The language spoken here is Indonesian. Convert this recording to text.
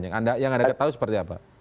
yang anda ketahui seperti apa